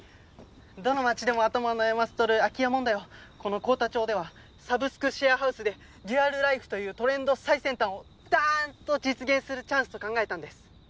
どの町でも頭を悩ませとる空き家問題をこの幸田町ではサブスクシェアハウスでデュアルライフというトレンド最先端をダーンと実現するチャンスと考えたんです。